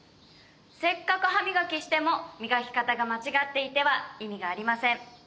せっかく歯磨きしても磨き方が間違っていては意味がありません。